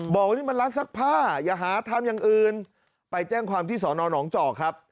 บอกว่านี่มันร้านซักผ้าอย่าหาทำอย่างอื่นไปแจ้งความที่สอนอนองจอกครับ